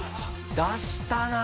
出したな！